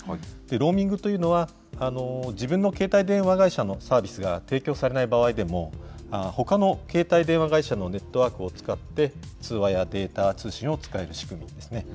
ローミングというのは、自分の携帯電話会社のサービスが提供されない場合でも、ほかの携帯電話会社のネットワークを使って、通話やデータ通信を使える仕組みですね。